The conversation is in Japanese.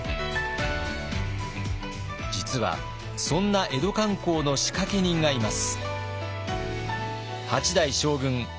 実はそんな江戸観光の仕掛け人がいます。